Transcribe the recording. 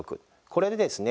これでですね